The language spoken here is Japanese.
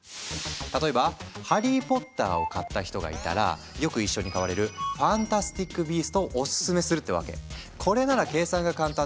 例えば「ハリー・ポッター」を買った人がいたらよく一緒に買われる「ファンタスティック・ビースト」をオススメするってわけ。